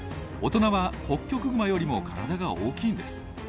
大人はホッキョクグマよりも体が大きいんです。